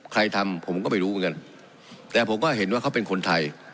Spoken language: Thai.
ใครทำผมก็ไม่รู้เหมือนกันแต่ผมก็เห็นว่าเขาเป็นคนไทย